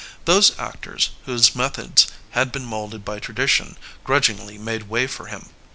Those actors whose methods had been moulded by tradition grudgingly made way for him.